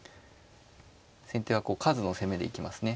先手は数の攻めで行きますね